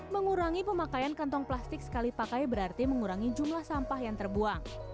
mengurangi pemakaian kantong plastik sekali pakai berarti mengurangi jumlah sampah yang terbuang